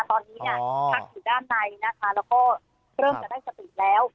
ตอนนี้เนี่ยพักอยู่ด้านในนะคะแล้วก็เริ่มจะได้สติแล้ว